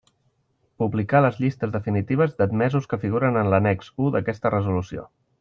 Publicar les llistes definitives d'admesos que figuren en l'annex u d'aquesta resolució.